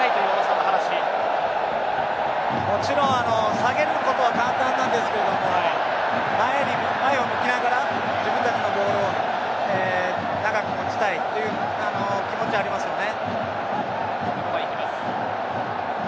もちろん下げることは簡単なんですけど前を向きながら自分たちのボールを長く持ちたいという気持ちはありますよね。